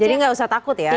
jadi tidak usah takut ya